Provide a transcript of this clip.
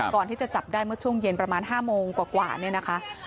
ก่อนที่จะจับได้เมื่อช่วงเย็นประมาณ๕โมงกว่าเนี่ยนะคะ